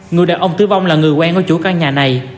người đàn ông tử vong là người quen ở chủ căn nhà này